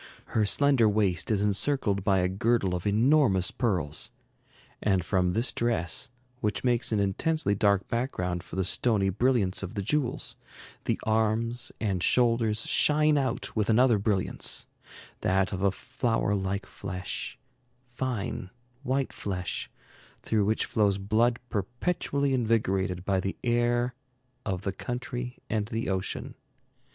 Her slender waist is encircled by a girdle of enormous pearls, and from this dress, which makes an intensely dark background for the stony brilliance of the jewels, the arms and shoulders shine out with another brilliance, that of a flower like flesh, fine, white flesh, through which flows blood perpetually invigorated by the air of the country and the ocean.